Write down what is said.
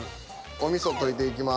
お味噌溶いていきます。